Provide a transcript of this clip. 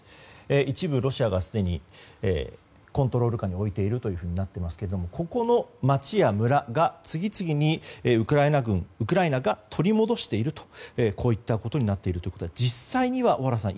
一部ロシアがすでにコントロール下に置いているというふうになっていますがここの町や村が次々にウクライナが取り戻しているということになっているということで実際には小原さん